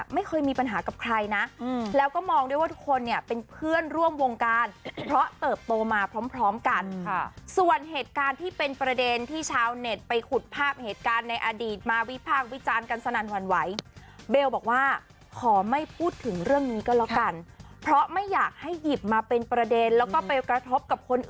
ไม่เคยมีปัญหากับใครนะแล้วก็มองด้วยว่าทุกคนเนี่ยเป็นเพื่อนร่วมวงการเพราะเติบโตมาพร้อมพร้อมกันส่วนเหตุการณ์ที่เป็นประเด็นที่ชาวเน็ตไปขุดภาพเหตุการณ์ในอดีตมาวิพากษ์วิจารณ์กันสนั่นหวั่นไหวเบลบอกว่าขอไม่พูดถึงเรื่องนี้ก็แล้วกันเพราะไม่อยากให้หยิบมาเป็นประเด็นแล้วก็ไปกระทบกับคน